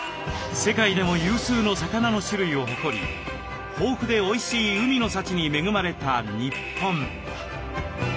世界でも有数の魚の種類を誇り豊富でおいしい海の幸に恵まれた日本。